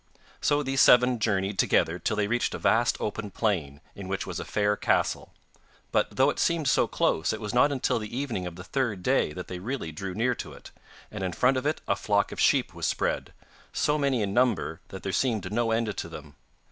So these seven journeyed together till they reached a vast open plain in which was a fair castle. But though it seemed so close it was not until the evening of the third day that they really drew near to it, and in front of it a flock of sheep was spread, so many in number that there seemed no end to them.